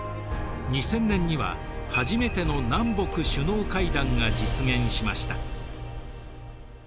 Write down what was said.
２０００年には初めての南北首脳会談が実現しました。